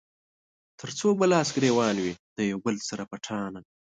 تر څو به لاس ګرېوان وي د يو بل سره پټانــه